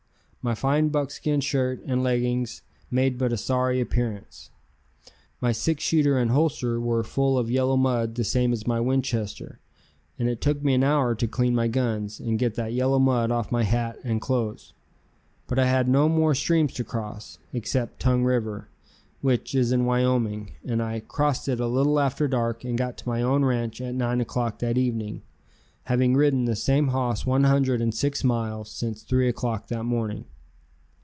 My fine buckskin shirt and leggings made but a sorry appearance. My six shooter and holster were full of yellow mud the same as my Winchester, and it took me an hour to clean my guns and get that yellow mud off my hat and clothes. But I had no more streams to cross, except Tongue River, which is in Wyoming, and I crossed it a little after dark and got to my own ranch at 9 o'clock that evening, having ridden the same hoss one hundred and six miles since 3 o'clock that morning.